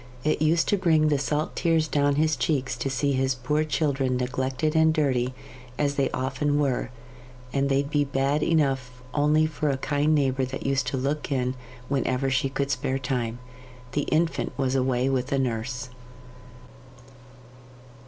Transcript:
It used to bring the salt tears down his cheeks to see his poor children neglected and dirty, as they often were, and they'd be bad enough only for a kind neighbour that used to look in whenever she could spare time. The infant was away with a nurse.